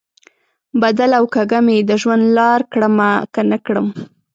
بدله او کږه مې د ژوند لار کړمه، که نه کړم؟